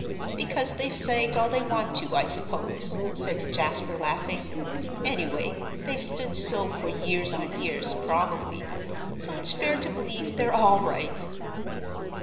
"Because they've sagged all they want to, I suppose'" said Jasper, laughing. "Anyway they've stood so for years on years probably, so it's fair to believe they're all right."